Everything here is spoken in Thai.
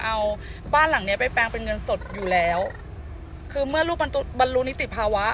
เอาบ้านหลังเนี้ยไปแปลงเป็นเงินสดอยู่แล้วคือเมื่อลูกบรรลุนิติภาวะ